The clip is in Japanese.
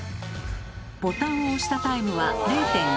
ボタンを押したタイムは０．４秒差。